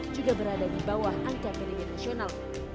juga berada di bawah angka pdb nasional